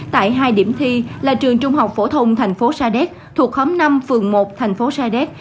tại hai điểm thi là trường trung học phổ thông thành phố sa đéc thuộc khóm năm phường một thành phố sa đéc